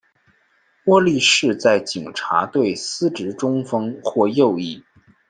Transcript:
窝利士在警察队司职中锋或右翼。